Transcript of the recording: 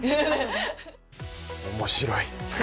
面白い。